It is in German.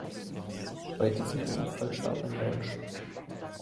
Bei diesem Unfall starb ein Mensch.